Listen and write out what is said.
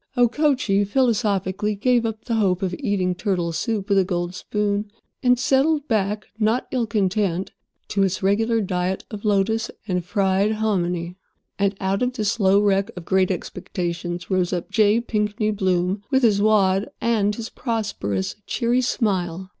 Okochee philosophically gave up the hope of eating turtle soup with a gold spoon, and settled back, not ill content, to its regular diet of lotus and fried hominy. And out of this slow wreck of great expectations rose up J. Pinkney Bloom with his "wad" and his prosperous, cheery smile.